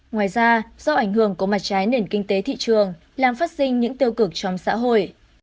ngoài ra do ảnh hưởng của mặt trái nền kinh tế thị trường làm phát sinh những tiêu cực trong xã hội